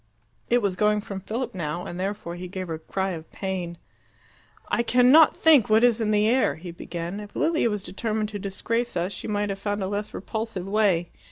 It was going from Philip now, and therefore he gave the cry of pain. "I cannot think what is in the air," he began. "If Lilia was determined to disgrace us, she might have found a less repulsive way.